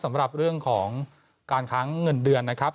สำหรับเรื่องของการค้างเงินเดือนนะครับ